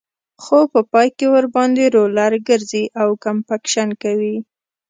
په پای کې ورباندې رولر ګرځي او کمپکشن کوي